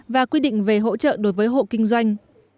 và quy định về hỗ trợ đối với hộ kinh doanh